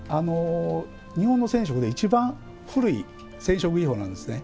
日本の染色で一番古い染色技法なんですね。